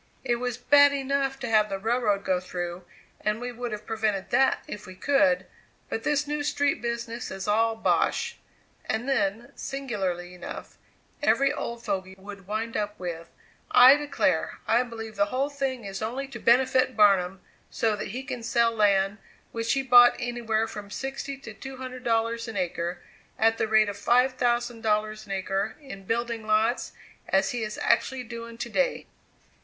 It was bad enough to have the railroad go through, and we would have prevented that if we could; but this new street business is all bosh!" And then, singularly enough, every old fogy would wind up with: "I declare, I believe the whole thing is only to benefit Barnum, so that he can sell land, which he bought anywhere from sixty to two hundred dollars an acre, at the rate of five thousand dollars an acre in building lots, as he is actually doing to day."